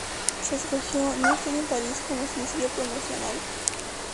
Se escogió "No estoy en París" como sencillo promocional.